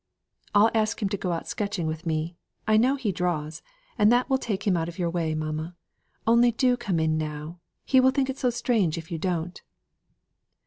"I'll ask him to go out sketching with me. I know he draws, and that will take him out of your way, mamma. Only do come in now; he will think it so strange if you don't."